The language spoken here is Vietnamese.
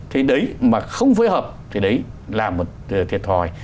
thì đấy mà không phối hợp thì đấy là một thiệt thòi